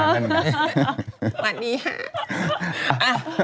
วันนี้ค่ะ